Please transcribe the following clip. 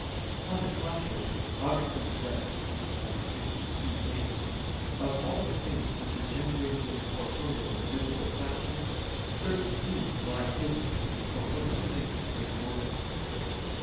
On the contrary, Augustine says (De Trin. iii, 8): "Of all the things which are generated in a corporeal and visible fashion, certain seeds lie hidden in the corporeal things of this world."